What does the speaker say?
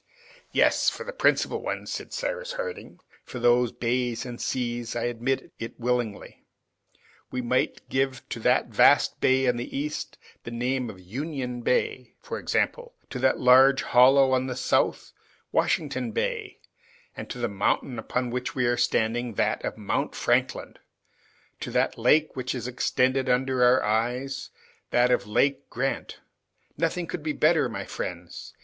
"Yes, for the principal ones," then said Cyrus Harding; "for those of the bays and seas, I admit it willingly. We might give to that vast bay on the east the name of Union Bay, for example; to that large hollow on the south, Washington Bay; to the mountain upon which we are standing, that of Mount Franklin; to that lake which is extended under our eyes, that of Lake Grant; nothing could be better, my friends.